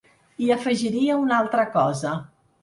I afegiria una altra cosa.